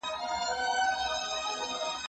زه له سهاره قلم استعمالوموم